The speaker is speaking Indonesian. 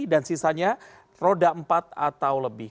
dan sisanya roda empat atau lebih